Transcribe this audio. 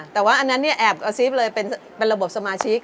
แต่ว่าอันนั้นเนี่ยแอบกระซิบเลยเป็นระบบสมาชิก